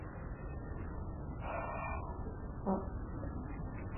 দিল্লিতে অন্যান্য ভাষার নিজস্ব একাডেমি থাকলেও বাংলা ভাষা একাডেমি নেই।